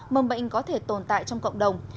mầm bệnh có thể tồn tại trong cộng đồng